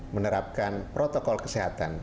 menerapkan protokol kesehatan